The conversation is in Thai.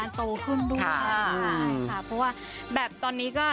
อะไรงี้บ้าง